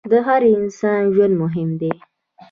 د هر انسان ژوند مهم دی.